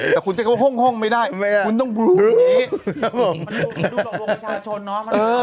แต่คุณจะเข้าห้องไม่ได้คุณต้องบลูกอย่างนี้